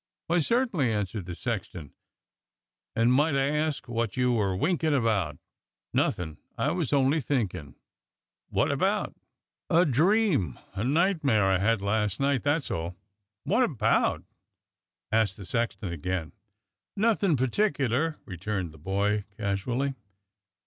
"Why, certainly," answered the sexton, "and might I ask wot you're a winkin' about?" "Nothin'— I was only thinkin'!" "Wot about?" SETS UP A GALLOWS TREE 111 "A dream — a nightmare I had last night, that's all." Wot about?" asked the sexton again. "Nothin' particular," returned the boy casually.